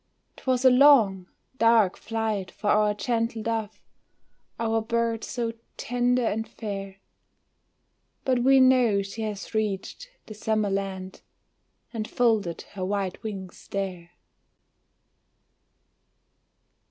'Twas a long, dark flight for our gentle dove, Our bird so tender and fair; But we know she has reached the summer land And folded her white wings there.